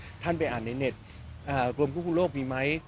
คุณถ้านไปอ่านในเว็บโรงพุ่งโลกมีไหม